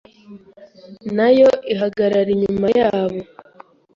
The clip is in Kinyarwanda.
nayo ihagarara inyuma yabo